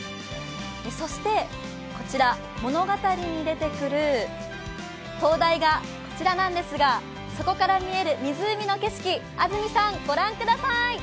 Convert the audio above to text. そして、こちら物語に出てくる灯台がこちらなんですがそこから見える湖の景色、安住さん御覧ください。